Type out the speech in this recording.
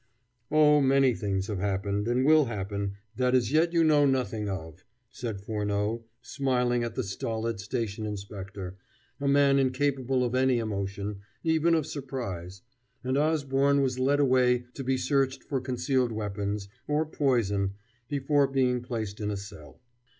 "Oh, many things have happened, and will happen, that as yet you know nothing of," said Furneaux, smiling at the stolid station inspector, a man incapable of any emotion, even of surprise, and Osborne was led away to be searched for concealed weapons, or poison, before being placed in a cell.